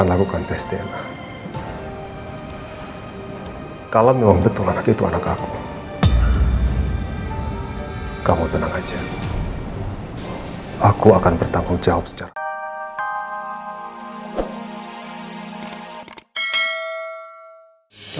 aku akan bertanggung jawab secara